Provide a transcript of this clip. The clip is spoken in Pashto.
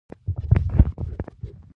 رومیان د خوراکي موادو شوق زیاتوي